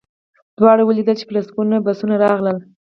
دواړو ولیدل چې په لسګونه بسونه راغلل